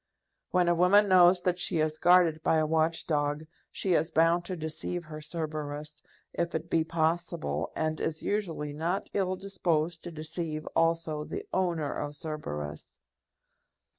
When a woman knows that she is guarded by a watch dog, she is bound to deceive her Cerberus, if it be possible, and is usually not ill disposed to deceive also the owner of Cerberus.